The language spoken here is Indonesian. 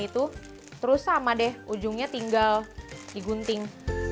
terus sama deh ujungnya tinggal digunting